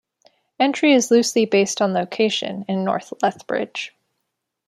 Entry is loosely based on location in north Lethbridge.